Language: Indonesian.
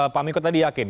pak miku tadi yakin